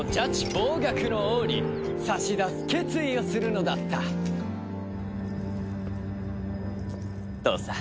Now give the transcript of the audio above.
暴虐の王に差し出す決意をするのだった！とさ。